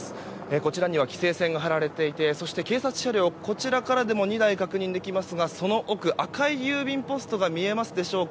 こちらには規制線が張られていて警察車両、こちらからでも２台確認できますがその奥、赤い郵便ポストが見えますでしょうか。